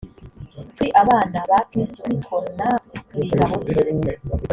turi abana bakristo ari ko natwe turi ingaboze.